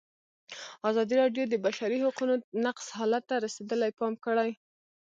ازادي راډیو د د بشري حقونو نقض حالت ته رسېدلي پام کړی.